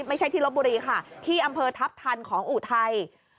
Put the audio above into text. ไม่ใช่ที่ลบบุรีค่ะที่อำเภอทัพทันของอุทัย